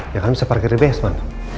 ya kan bisa parkir di basement